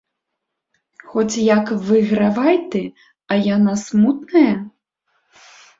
Хоць як выйгравай ты, а яна смутная?